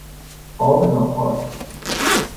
آب ناپاک